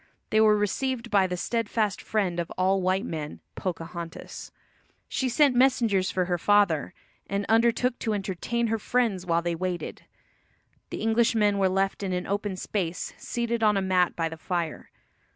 They were received by the steadfast friend of all white men, Pocahontas. She sent messengers for her father, and undertook to entertain her friends while they waited. The Englishmen were left in an open space, seated on a mat by the fire.